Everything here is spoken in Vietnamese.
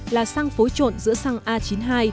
là xăng phối trộn giữa xăng a chín mươi hai